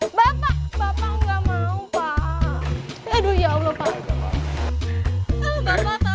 bapak bapak nggak mau pak aduh ya allah pak